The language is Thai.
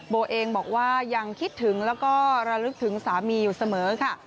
โบเองบอกว่ายังคิดถึงแล้วก็ระลึกถึงสามีอยู่เสมอค่ะ